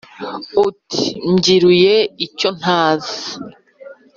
uti: “mbyiruye icyontazi”